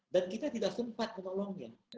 dan kita tidak sempat memeluknya